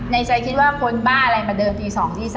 ในใจคิดว่าคนบ้าอะไรมาเดินตี๒ตี๓